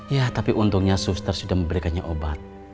ya tapi untungnya suster sudah memberikannya obat